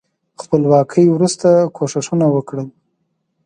خپلواکۍ وروسته کوښښونه وکړل.